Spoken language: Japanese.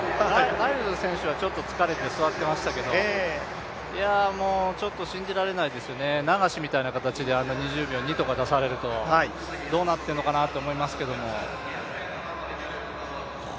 ライルズ選手はちょっと疲れて、座ってましたけど、信じられないですよね、流しみたいな形であんな２０秒２とか出されると、どうなってるのかなと思いますけど。